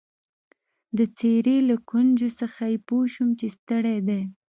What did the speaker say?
د څېرې له ګونجو څخه يې پوه شوم چي ستړی دی.